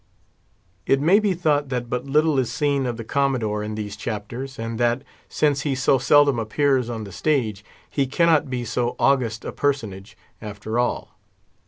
It may be thought that but little is seen of the Commodore in these chapters, and that, since he so seldom appears on the stage, he cannot be so august a personage, after all.